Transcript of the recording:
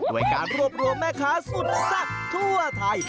ด้วยการรวบรวมแม่ค้าสุดแซ่บทั่วไทย